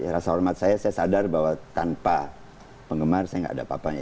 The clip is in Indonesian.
rasa hormat saya saya sadar bahwa tanpa penggemar saya gak ada apa apanya